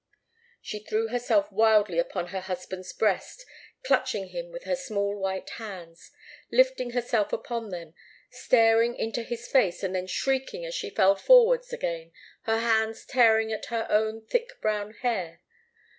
She threw herself wildly upon her husband's breast, clutching him with her small white hands, lifting herself upon them, staring into his face, and then shrieking as she fell forwards again, her hands tearing at her own thick brown hair.